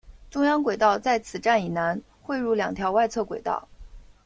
中央轨道在此站以南汇入两条外侧轨道。